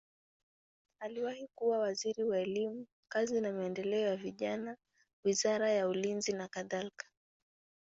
Aliwahi kuwa waziri wa elimu, kazi na maendeleo ya vijana, wizara ya ulinzi nakadhalika.